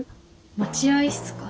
待合室か。